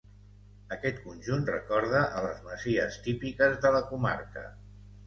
Aquest conjunt recorda a les masies típiques de la comarca.